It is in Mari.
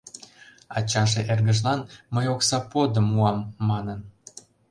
Ачаже эргыжлан «мый окса подым муам» манын.